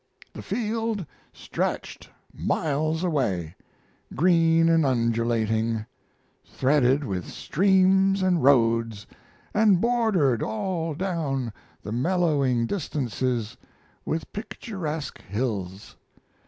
The field stretched miles away, green and undulating, threaded with streams and roads, and bordered all down the mellowing distances with picturesque hills.